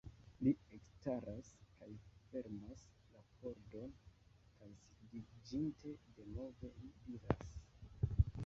Li ekstaras kaj fermas la pordon kaj sidiĝinte denove, li diras: